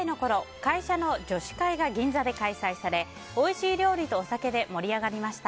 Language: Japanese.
会社の女子会が銀座で開催されおいしい料理とお酒で盛り上がりました。